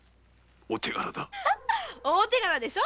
「大手柄」でしょ？